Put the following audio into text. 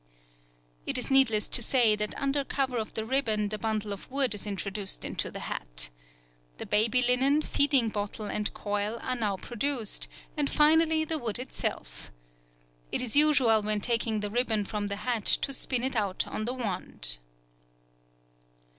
It is needless to say that under cover of the ribbon the bundle of wood is introduced into the hat. The baby linen, feeding bottle, and coil, are now produced, and finally the wood itself. It is usual when taking the ribbon from the hat to spin it out on the wand.